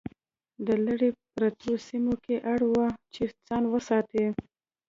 د لرې پرتو سیمو خلک اړ وو چې ځان وساتي.